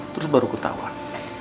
terus baru ketahuan